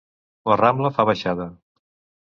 La Rambla fa baixada.